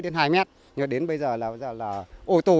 nhưng đến bây giờ là ổ tù